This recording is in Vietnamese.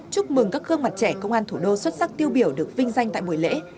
chúc mừng các gương mặt trẻ công an thủ đô xuất sắc tiêu biểu được vinh danh tại buổi lễ